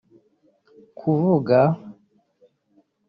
Kuvuga